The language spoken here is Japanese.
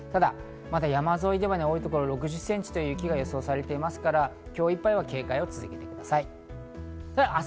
ただ山沿いでは多いところ６０ｃｍの雪が予想されていますから、今日いっぱいは警戒を続けてください。